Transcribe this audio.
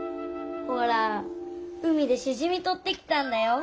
ほら海でしじみとってきたんだよ。